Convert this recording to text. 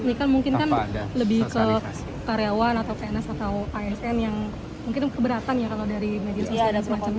ini kan mungkin kan lebih ke karyawan atau pns atau asn yang mungkin keberatan ya kalau dari media sosial dan semacam ini